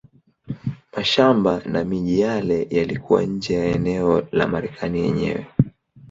Mashamba na miji yale yalikuwa nje ya eneo la Marekani yenyewe.